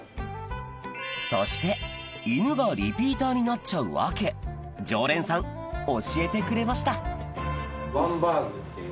・そして犬がリピーターになっちゃう訳常連さん教えてくれましたそう。